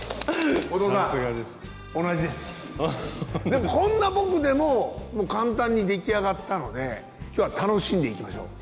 でもこんな僕でも簡単に出来上がったので今日は楽しんでいきましょう。